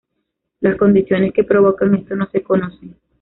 Las condiciones que provocan esto no se conocen.